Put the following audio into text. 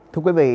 thưa quý vị